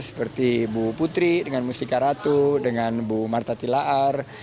seperti bu putri dengan mustika ratu dengan bu marta tilaar